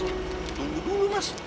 tunggu dulu mas